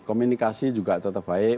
komunikasi juga tetap baik